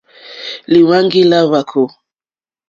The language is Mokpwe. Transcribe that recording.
Lìhwáŋɡí lá hwàkó.